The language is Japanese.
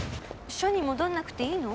署に戻んなくていいの？